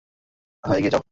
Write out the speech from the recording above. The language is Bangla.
হ্যা, এগিয়ে যাও!